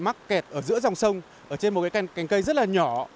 mắc kẹt ở giữa dòng sông ở trên một cái cành cây rất là nhỏ